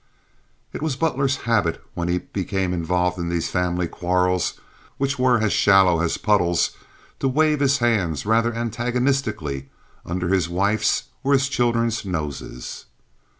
It was Butler's habit when he became involved in these family quarrels, which were as shallow as puddles, to wave his hands rather antagonistically under his wife's or his children's noses.